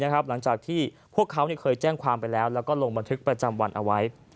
หลังจากที่พวกเขาเคยแจ้งความไปแล้วแล้วก็ลงบันทึกประจำวันเอาไว้